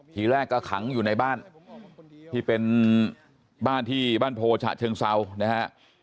ทีแรกก็ขังอยู่ในบ้านที่เป็นบ้านที่บ้านโพฉะเชิงเซานะฮะ